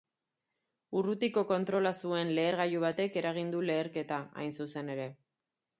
Urrutiko kontrola zuen lehergailu batek eragin du leherketa, hain zuzen ere.